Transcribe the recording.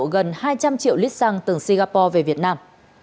tòa án nhận hối lộ gần hai trăm linh triệu lít xăng từng singapore về việt nam